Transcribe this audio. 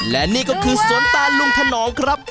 และนี่ก็คือสวนตาลุงถนอมครับ